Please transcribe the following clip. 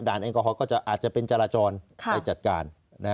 ด่านเองก็อาจจะเป็นจรจรในจัดการ